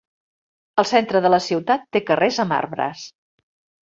El centre de la ciutat té carrers amb arbres.